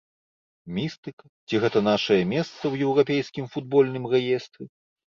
Містыка ці гэта нашае месца ў еўрапейскім футбольным рэестры?